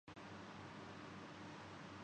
معذرت کہ یہ سائیٹ صرف جاپانی میں ھے لیکن آ